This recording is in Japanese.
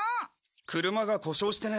車が故障してね。